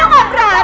lu gak berani